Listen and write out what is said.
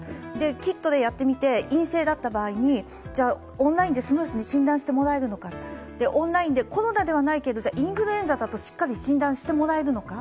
キットでやってみて陰性だった場合にオンラインでスムーズに診断してもらうのか、オンラインでコロナではないけどインフルエンザだとしっかり診断してもらえるのか。